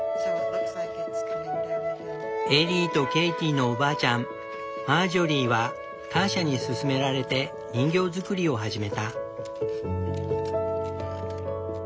エリーとケイティのおばあちゃんマージョリーはターシャに勧められて人形作りを始めた。